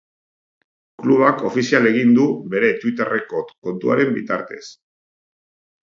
Klubak ofizial egin du bere twitterreko kontuaren bitartez.